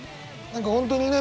何か本当にね